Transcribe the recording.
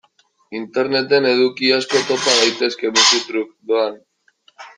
Interneten eduki asko topa daitezke musu-truk, doan.